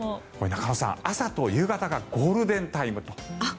中野さん、朝と夕方がゴールデンタイムということです。